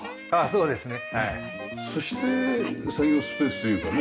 そうですね。